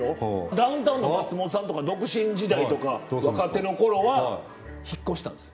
ダウンタウンの松本さんとか独身時代とか若手のころは引っ越したんです。